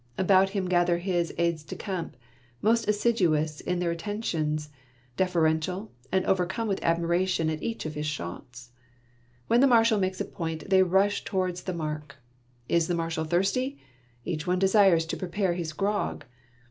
About him gather his aides de camp, most assiduous in their attentions, deferential, and overcome with admi ration at each of his shots. When the Marshal makes a point, they rush towards the mark. Is the Marshal thirsty? Each one desires to prepare his grog